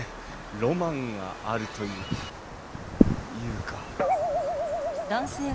ロマンがあるというか。